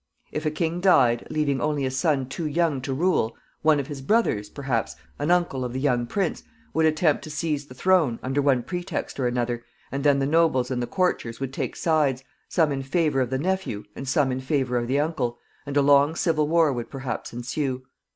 If a king died, leaving only a son too young to rule, one of his brothers, perhaps an uncle of the young prince would attempt to seize the throne, under one pretext or another, and then the nobles and the courtiers would take sides, some in favor of the nephew and some in favor of the uncle, and a long civil war would perhaps ensue.